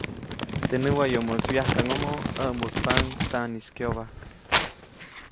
Teʼ näwayomoʼis wyajkaʼŋʼomo ʼäʼmbujtpaʼuŋ tsaʼnis kyobajk.